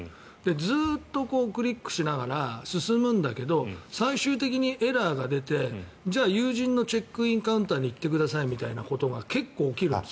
ずっとクリックしながら進むんだけど最終的にエラーが出てじゃあ有人のチェックインカウンターに行ってくださいみたいなことが結構起きるんです。